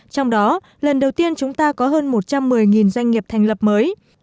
trong đó lần đầu tiên chúng ta có hơn một trăm một mươi doanh nghiệp thành lập mới